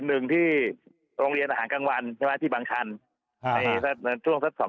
หนึ่งที่โรงเรียนอาหารกลางวันใช่ไหมที่บางชันในช่วงสักสอง